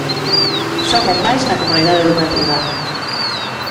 Son un máis na comunidade educativa.